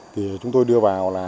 thì chúng tôi đưa vào là